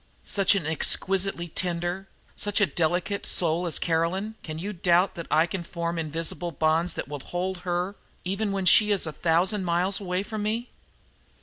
Such an exquisitely tender, such a delicate soul as Caroline, can you doubt that I can form invisible bonds which will hold her even when she is a thousand miles away from me?